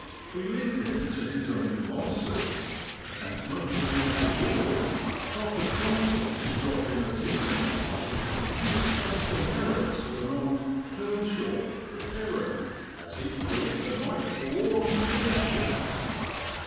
We leave him to his own devices, and make towards the Broad, after promising to drop in at eventide to discuss the merits of an ' old hernshaw (heron) as he'd kilt the night afore on the meshes.'